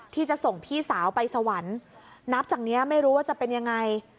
ที่จะส่งพี่สาวไปสวรรค์นับจากนี้ไม่รู้ว่าจะเป็นยังไง